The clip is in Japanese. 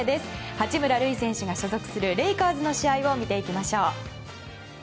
八村塁選手が所属するレイカーズの試合を見ていきましょう。